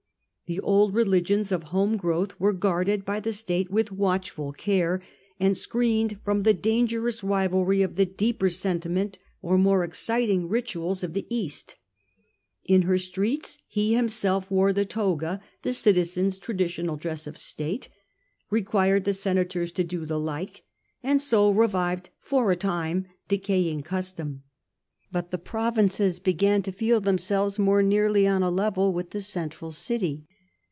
The old religions of home growth were guarded by the state with watchful care, and screened from the dangerous rivalry of the deeper sentiment or more exciting rituals Hadrian's interests cosmo politan more than Roman. II7 J38 Hadrian. 59 of the East. In her streets he himself wore the toga, the citizen^s traditional dress of state, required the senators to do the like, and so revived for a time decaying custom. But the provinces began to feel themselves more nearly on a level with the central city.